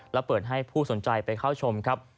และเปิดให้ผู้สนใจไปเข้าชมครับ